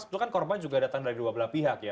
itu kan korban juga datang dari dua belah pihak ya